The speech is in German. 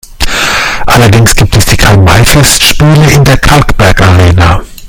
Allerdings gibt es die Karl-May-Festspiele in der Kalkbergarena.